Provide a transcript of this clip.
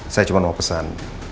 saya cuma mau pesan